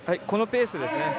このペースです。